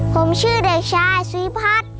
ผมชื่อเด็กชายศรีพัฒน์